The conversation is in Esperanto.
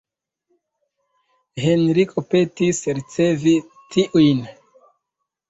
Henriko petis ricevi tiujn.